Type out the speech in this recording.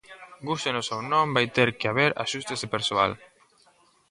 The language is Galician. Gústenos ou non vai ter que haber axustes de persoal.